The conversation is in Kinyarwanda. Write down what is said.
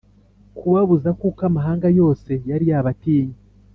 kubabuza kuko amahanga yose yari yabatinye